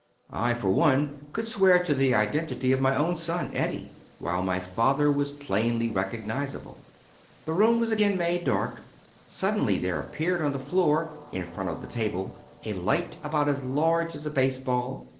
I, for one, could swear to the identity of my own son Eddie, while my father was plainly recognizable. ... The room was again made dark. Suddenly there ap 294 Hiyiv SpirUs Materialise peared on the floor, in front of the table, a light about as large as a baseball.